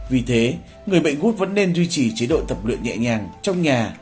vì thế người bệnh gút vẫn nên duy trì chế độ tập luyện nhẹ nhàng trong nhà